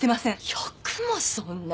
よくもそんな！